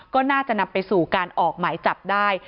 ก็น่าจะนำไปสู่การออกหมายจับได้